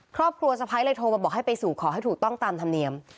ครอบครัวสะพ้ายเลยโทรมาบอกให้ไปสู่ขอให้ถูกต้องตามธรรมเนียม